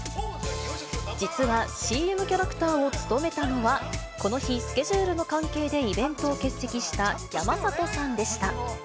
実はＣＭキャラクターを務めたのは、この日、スケジュールの関係でイベントを欠席した山里さんでした。